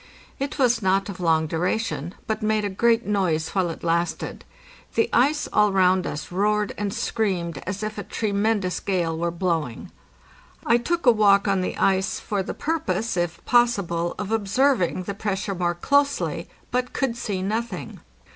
It was not of long duration, but made a great noise while it lasted; the ice all round us roared and screamed as if a tremendous gale were blowing. I took a walk on the ice for the purpose, if possible, of observing the pressure more closely, but could see nothing.